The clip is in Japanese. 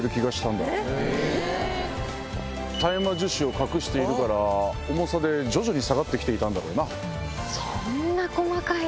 大麻樹脂を隠しているから重さで徐々に下がってきていたんだろうな。